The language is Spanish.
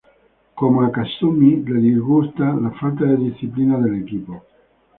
Como a Kasumi, le disgusta la falta de disciplina del equipo.